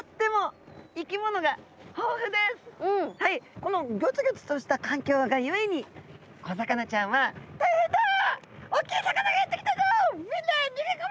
このギョツギョツとした環境がゆえに小魚ちゃんは「大変だ！おっきい魚がやって来たぞ。みんな逃げ込め！